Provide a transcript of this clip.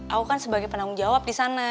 aku kan sebagai penanggung jawab di sana